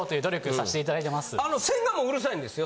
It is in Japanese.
あの千賀もうるさいんですよ